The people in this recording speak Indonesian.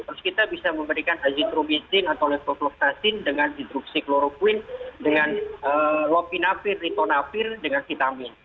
terus kita bisa memberikan azitromisin atau lepovloctasin dengan hidroksikloroquine dengan lopinapir ritonapir dengan vitamin